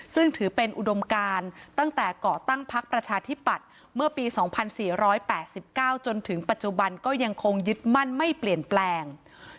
ซึ่งถือเป็นอุดมการตั้งแต่ก่อตั้งพักประชาธิปัตย์เมื่อปี๒๔๘๙จนถึงปัจจุบันก็ยังคงยึดมั่นไม่เปลี่ยนแปลง